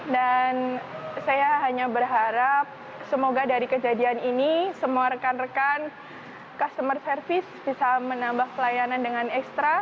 dan saya hanya berharap semoga dari kejadian ini semua rekan rekan customer service bisa menambah pelayanan dengan ekstra